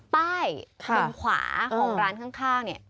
ฝั่งขวาของร้านข้างเนี่ย